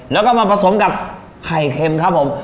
แล้วก็มาผสมกับไข่เค็มครับผม